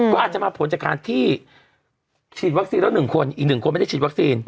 ก็อาจจะมาผลจากการที่ฉีดวัคซีนแล้ว๑คนอีก๑คนไม่ได้ฉีดวัคซีน